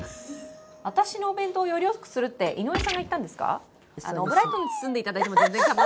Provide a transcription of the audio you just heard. あたしのお弁当をよりよくするって、井上さんが言ったんですか？